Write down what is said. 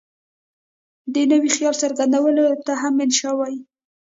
د نوي خیال څرګندولو ته هم انشأ وايي.